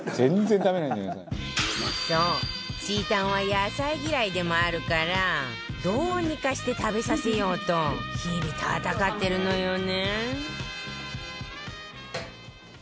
そうちーたんは野菜嫌いでもあるからどうにかして食べさせようと日々戦ってるのよね